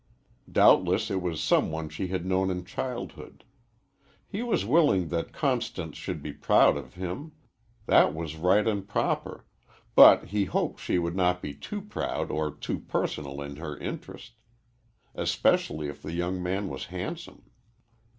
Doubtless it was some one she had known in childhood. He was willing that Constance should be proud of him; that was right and proper, but he hoped she would not be too proud or too personal in her interest. Especially if the young man was handsome.